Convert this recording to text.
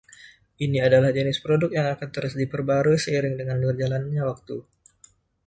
Ini adalah jenis produk yang akan terus diperbarui seiring dengan berjalannya waktu.